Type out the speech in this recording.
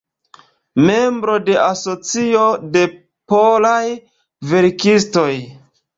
Membro de Asocio de Polaj Verkistoj.